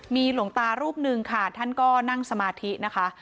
มีหลวงตารูปหนึ่งค่ะท่านก็นั่งสมาธินะคะ